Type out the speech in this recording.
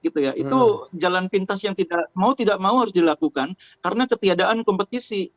itu jalan pintas yang mau tidak mau harus dilakukan karena ketiadaan kompetisi